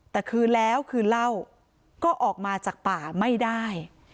แต่คือแล้วคือเหล้าก็ออกมาจากป่าไม่ได้